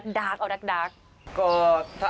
ก็ถ้าเอาซอปละกัน